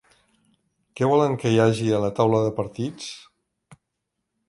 Què volen que hi hagi a la taula de partits?